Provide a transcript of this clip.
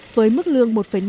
với mức lương một năm